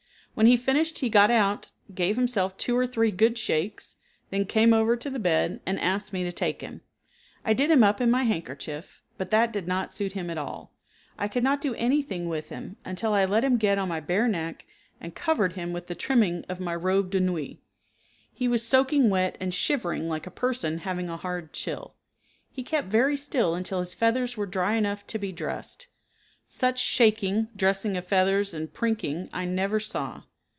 When he finished he got out, gave himself two or three good shakes, then came over to the bed, and asked me to take him. I did him up in my handkerchief, but that did not suit him at all. I could not do anything with him, until I let him get on my bare neck, and covered him with the trimming of my robe de nuit. He was soaking wet and shivering like a person having a hard chill. He kept very still until his feathers were dry enough to be dressed. Such shaking, dressing of feathers, and prinking I never saw.